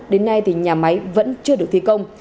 đến nay thì nhà máy vẫn chưa được thi công